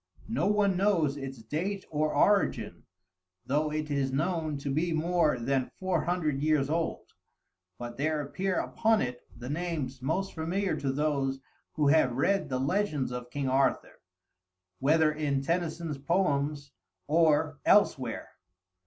No one knows its date or origin, though it is known to be more than four hundred years old, but there appear upon it the names most familiar to those who have read the legends of King Arthur, whether in Tennyson's poems or elsewhere.